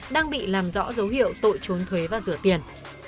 đang bị làm rõ dấu hiệu tội trốn thuế và rửa tiền